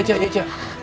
cik cik cik